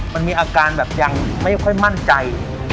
มันมีอาการแบบยังไม่ค่อยมั่นใจ